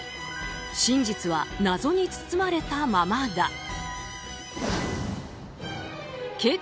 真実は謎に包まれたままだ。